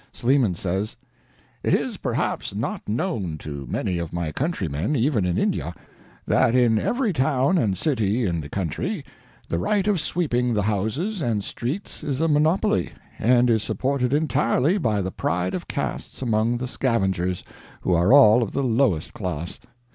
Sleeman says: "It is perhaps not known to many of my countrymen, even in India, that in every town and city in the country the right of sweeping the houses and streets is a monopoly, and is supported entirely by the pride of castes among the scavengers, who are all of the lowest class.